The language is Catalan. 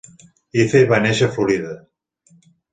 Icey va néixer a Florida.